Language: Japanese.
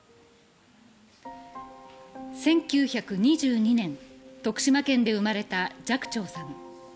１９２２年、徳島県で生まれた寂聴さん。